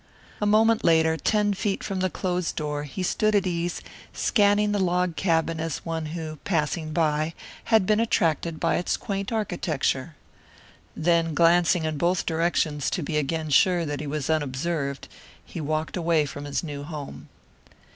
A moment later, ten feet from the closed door, he stood at ease, scanning the log cabin as one who, passing by, had been attracted by its quaint architecture. Then glancing in both directions to be again sure that he was unobserved, he walked away from his new home.